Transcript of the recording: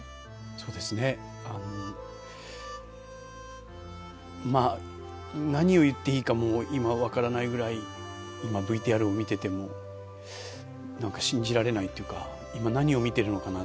そうですね、まあ何を言っていいかも今は分からないくらい、今、ＶＴＲを見てても、なんか信じられないというか、今、何を見てるのかな？